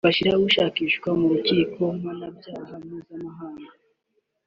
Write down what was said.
Bashir ushakishwa n’urukiko mpanabyaha mpuzamahanga